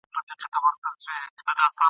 ښکلې لکه ښاخ د شګوفې پر مځکه ګرځي ..